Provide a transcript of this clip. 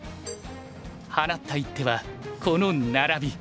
放った一手はこのナラビ。